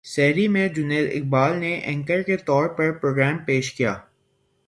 سحری میں جنید اقبال نے اینکر کے طور پر پروگرام پیش کیا